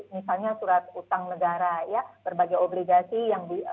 misalnya surat utang negara ya berbagai obligasi yang